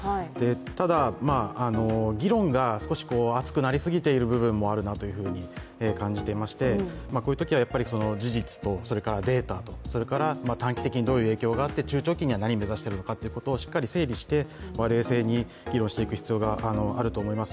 ただ、議論が熱くなりすぎている部分があるなとも感じていまして、こういうときは事実とデータとそれから、短期的にどういう影響があって中長期にはどういうところを目指していくのかを整理して冷静に議論していく必要があると思います。